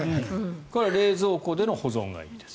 これは冷蔵庫での保存がいいです。